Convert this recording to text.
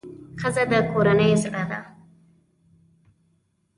ښځه د کورنۍ زړه ده.